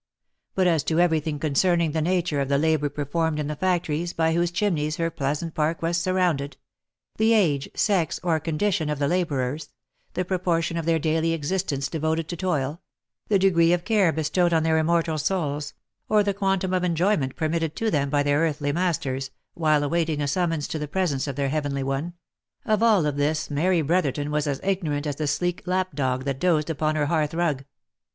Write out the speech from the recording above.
But as to every thing concerning the nature of the labour performed in the factories by whose chimneys her pleasant park was surrounded — the age, sex, or condition, of the labourers — the proportion of their daily existence devoted to toil — the degree of care bestowed on their immortal souls —or the quantum of enjoyment permitted to them by their earthly masters, while awaiting a summons to the presence of their heavenly one — of all this Mary Brotherton was as ignorant as the sleek lap dog that dozed upon her hearth rug.